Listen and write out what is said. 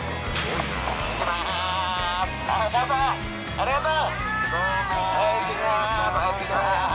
ありがとう！